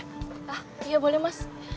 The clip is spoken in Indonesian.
hah iya boleh mas